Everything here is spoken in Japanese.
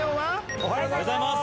おはようございます！